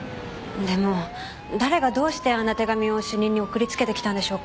でも誰がどうしてあんな手紙を主任に送りつけてきたんでしょうか？